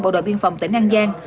bộ đội biên phòng tỉnh an giang